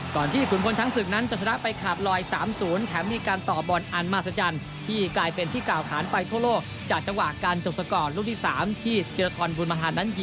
ก่อนที่ขุนพลช้างศึกนั้นจะชนะไปขาบลอย๓๐